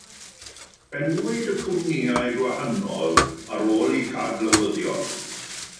Enwyd y cwmnïau gwahanol ar ôl eu cadlywyddion.